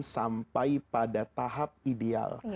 sampai pada tahap ideal